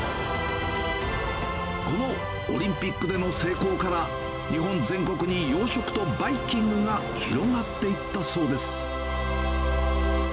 このオリンピックでの成功から、日本全国に洋食とバイキングが広がっていったそうです。